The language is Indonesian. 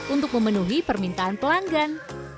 untuk memenuhi permintaan pelanggan